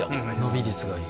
伸び率がいい。